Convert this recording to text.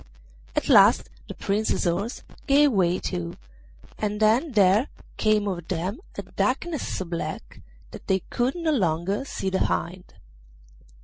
At last the Prince's horse gave way too, and then there came over them a darkness so black that they could no longer see the hind.